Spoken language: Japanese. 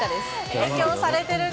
影響されてるね。